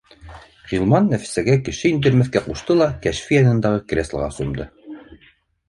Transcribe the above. Ғилман Нәфисәгә кеше индермәҫкә ҡушты ла, Кәшфи янындағы креслоға сумды